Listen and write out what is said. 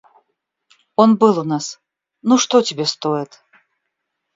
Он был у нас. Ну, что тебе стоит?